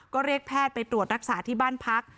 ก็เรียกแพทย์ไปตรวจรักษาที่บ้านพัก